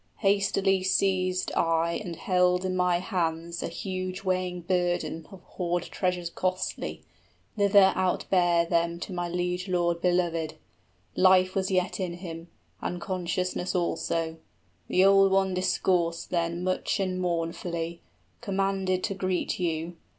Hastily seized I And held in my hands a huge weighing burden 35 Of hoard treasures costly, hither out bare them To my liegelord belovèd: life was yet in him, And consciousness also; the old one discoursed then Much and mournfully, commanded to greet you, {Beowulf's dying request.